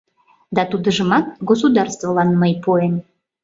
Да тудыжымат государствылан мый пуэм.